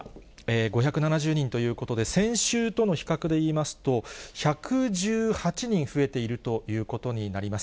５７０人ということで、先週との比較で言いますと、１１８人増えているということになります。